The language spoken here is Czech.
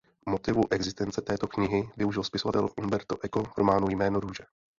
Motivu existence této knihy využil spisovatel Umberto Eco v románu Jméno růže.